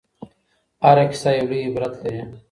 هره کيسه يو لوی عبرت لري.